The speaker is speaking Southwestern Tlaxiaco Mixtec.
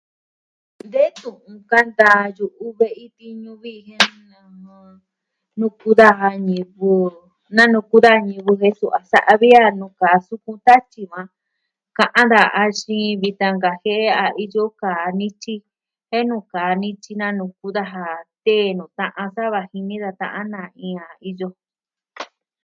De tu'un kanta yu'u ve'i tiñu viji jen nuku daja ñivɨ... nanuku da ñivɨ jen suu a sa'a vi a nuu kaa sukun tatyi va. Ka'an daja, axin vitan nkajie'e a iyo kaa nityi. Jen nuu kaa nityi nanuku daja tee nuu ta'an sava jini da ta'an na iin a iyo.